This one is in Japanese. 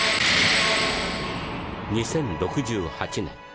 ２０６８年。